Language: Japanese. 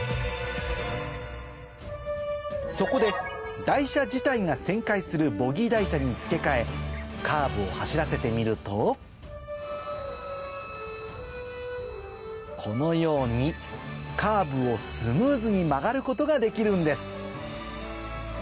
そこで台車自体が旋回するボギー台車に付け替えカーブを走らせてみるとこのようにカーブをスムーズに曲がることができるんです